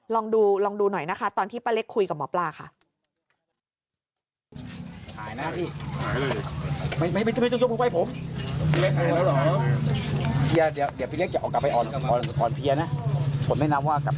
ลองดูลองดูหน่อยนะคะตอนที่ป้าเล็กคุยกับหมอปลาค่ะ